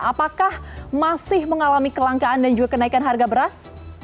apakah masih mengalami kelangkaan dan juga kenaikan harga beras